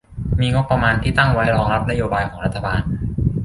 มีงบประมาณที่ตั้งไว้รองรับนโยบายของรัฐบาล